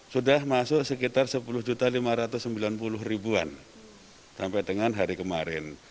sudah masuk sekitar sepuluh lima juta ribuan sampai dengan hari kemarin